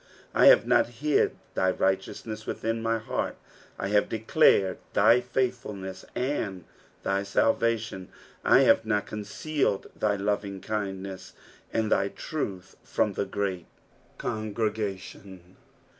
10 I have not hid thy righteousness within my heart ; I have declared thy faithfulness and thy salvation : I have not concealed thy lovingkindness and thy truth from the great congregation.